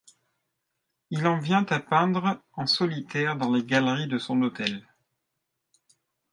Il en vient à peindre en solitaire dans les galeries de son hôtel.